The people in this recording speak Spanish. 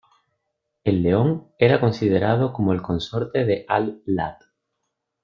El león era considerado como el consorte de Al-lāt.